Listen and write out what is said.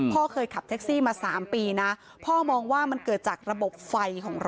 พ่อเคยขับแท็กซี่มา๓ปีนะ